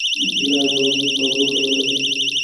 ګیلاس د وجود تودوخه لوړوي.